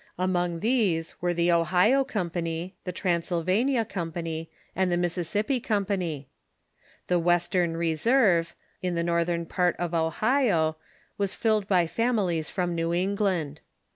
Among these Avere the Ohio Company, the Transylvania Company, and the Mississippi Company. The Western Reserve, in the northern part of Ohio, was filled bv families from New England.